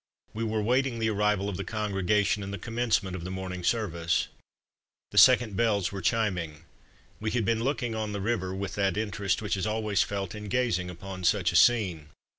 We were waiting the arrival of the congregation, and the commencement of the morning service. The second bells were chiming. We had been looking on the river with that interest which is always felt in gazing upon such a scene.